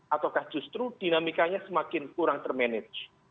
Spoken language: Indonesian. ataukah justru dinamikanya semakin kurang ter manage